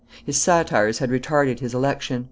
His satires had retarded his election.